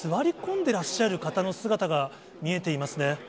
でらっしゃる方の姿が見えていますね。